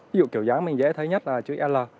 ví dụ kiểu dáng mình dễ thấy nhất là chữ l